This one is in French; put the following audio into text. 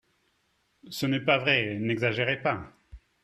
Ce n’est pas vrai, n’exagérez pas